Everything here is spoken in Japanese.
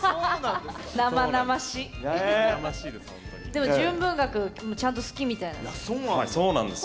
でも純文学ちゃんと好きみたいなので。